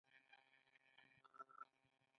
په غم او ښادۍ کې.